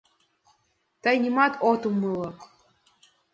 Тый нимом от умыло...